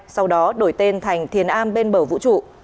sau đó đổi tên thành thiền a bên bờ vũ trụ